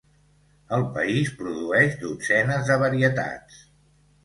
El país produeix dotzenes de varietats.